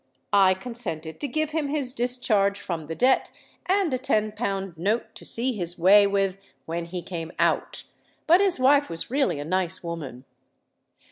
I consented to give him his discharge from the debt and a ten pound note to see his way with when he came out. But his wife was really a nice woman!"